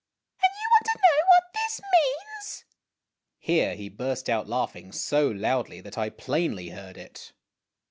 and you want to know what this means?" Here he burst out laughing so loudly that I plainly heard it.